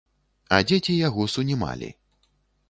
А дзеці яго сунімалі.